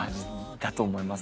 だと思います。